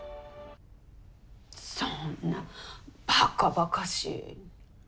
そんなバカバカしい。